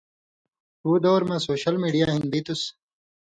ݜُو دور مہ سو شل میڈیا ہِن بِتُس